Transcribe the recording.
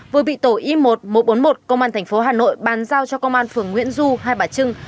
vừa bị tổ y một nghìn một trăm bốn mươi một công an tp hà nội bàn giao cho công an phường nguyễn du hai bà trưng